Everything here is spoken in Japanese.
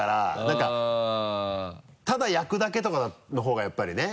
何かただ焼くだけとかのほうがやっぱりね。